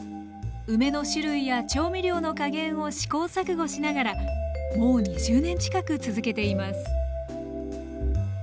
梅の種類や調味料の加減を試行錯誤しながらもう２０年近く続けています